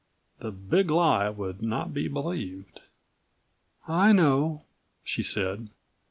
The Big Lie would not be believed." "I know," she said.